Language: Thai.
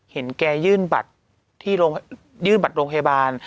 เห็นแก่ยื่นบัตรที่โรงพยาบาล